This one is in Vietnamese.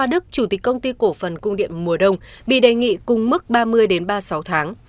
đề nghị cùng mức ba mươi đến ba mươi sáu tháng